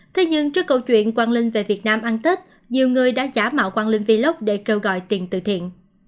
thế nhưng trước câu chuyện quảng linh về việt nam ăn tết nhiều người đã giả mạo quang linh vlog để kêu gọi tiền từ thiện